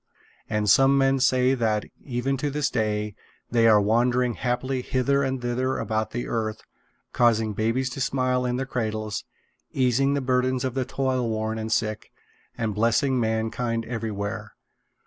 And some men say that, even to this day, they are wandering happily hither and thither about the earth, causing babies to smile in their cradles, easing the burdens of the toilworn and sick, and blessing mankind everywhere.